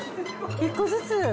１個ずつ。